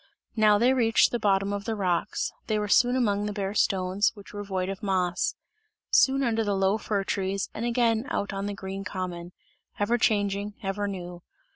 Now they reached the bottom of the rocks, they were soon among the bare stones, which were void of moss; soon under the low fir trees and again out on the green common ever changing, ever new.